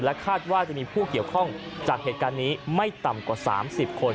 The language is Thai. คาดว่าจะมีผู้เกี่ยวข้องจากเหตุการณ์นี้ไม่ต่ำกว่า๓๐คน